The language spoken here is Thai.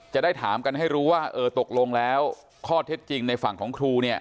จะได้ถามกันให้รู้ว่าเออตกลงแล้วข้อเท็จจริงในฝั่งของครูเนี่ย